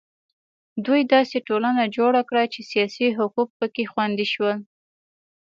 دوی داسې ټولنه جوړه کړه چې سیاسي حقوق په کې خوندي شول.